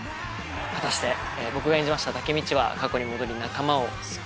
果たして僕が演じましたタケミチは過去に戻り仲間を救えるのか？